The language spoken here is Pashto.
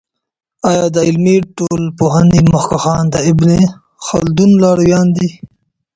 آیا د علمي ټولپوهني مخکښان د ابن خلدون لارویان دی؟